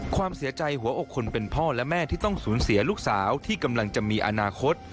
ความเสียใจหัวอกคนเป็นพ่อและแม่ที่ต้องสูญเสียลูกสาวที่กำลังจะมีอนาคต